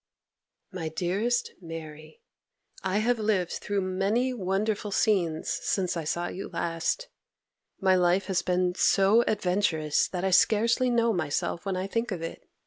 'MY DEAREST MARY,—I have lived through many wonderful scenes since I saw you last; my life has been so adventurous that I scarcely know myself when I think of it.